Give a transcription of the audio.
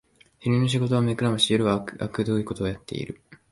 昼の仕事は目くらまし、夜はあくどいことをやってる